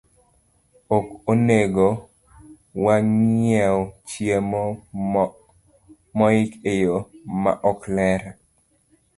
Ok onego wang'iew chiemo moik e yo maok ler.